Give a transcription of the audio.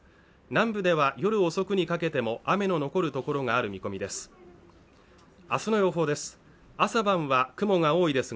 南部では夜遅くにかけても雨の残るところがある見込みです。